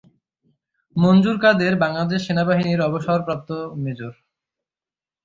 মনজুর কাদের বাংলাদেশ সেনাবাহিনীর অবসরপ্রাপ্ত মেজর।